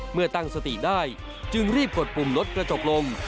เมื่อตั้งสติได้จึงรีบกดปุ่มรถกระจกลง